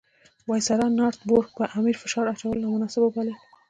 وایسرا نارت بروک پر امیر فشار اچول نامناسب وبلل.